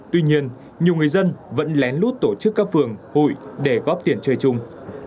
tuy nhiên nhiều người dân vẫn lén lút tổ chức các phường hội để góp tiền chơi chung